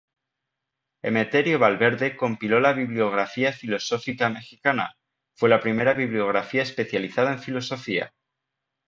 Emeterio Valverde compiló la Bibliografía Filosófica Mexicana, fue la primera bibliografía especializada en Filosofía.